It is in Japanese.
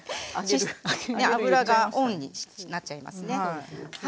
油が多いになっちゃいますね。